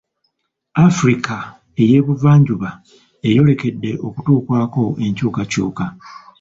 Africa ey'Ebuvanjuba eyolekedde okutuukwako enkyukakyuka.